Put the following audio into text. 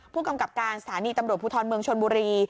ผู้กำกับการสถานีตำรวจภูทรเมืองชนบุรี